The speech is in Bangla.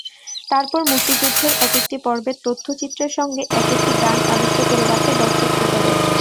তারপর মুক্তিযুদ্ধের একেকটি পর্বের তথ্যচিত্রের সঙ্গে একেকটি গান আবিষ্ট করে রাখে দর্শক-শ্রোতাদের।